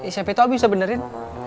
siapa itu umi bisa benerin